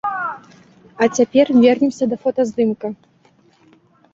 А цяпер вернемся да фотаздымка.